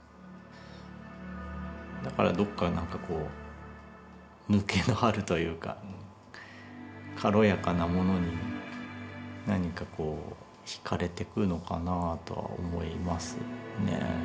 だからどっかなんかこう抜けのあるというか軽やかなものに何かこうひかれてくのかなとは思いますねぇ。